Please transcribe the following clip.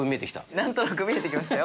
なんとなく見えてきましたよ。